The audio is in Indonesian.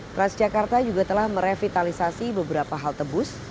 trans jakarta juga telah merevitalisasi beberapa halte bus